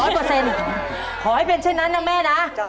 ขอให้เป็นเช่นนั้นนะแม่นะ